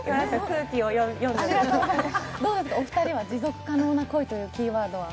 お二人は「持続可能な恋」というキーワードは？